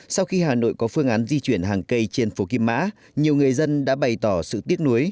sau khi hà nội có phương án di chuyển hàng cây trên phố kim mã nhiều người dân đã bày tỏ sự tiếc nuối